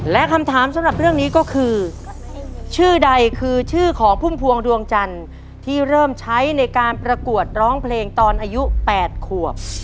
และคำถามสำหรับเรื่องนี้ก็คือชื่อใดคือชื่อของพุ่มพวงดวงจันทร์ที่เริ่มใช้ในการประกวดร้องเพลงตอนอายุ๘ขวบ